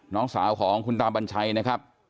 น้องสาวของคุณตาบัญชัยนะครับ